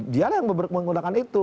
dia yang menggunakan itu